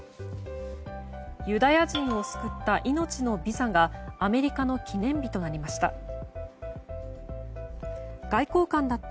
ユダヤ人を救った命のビザがアメリカの記念日となりました。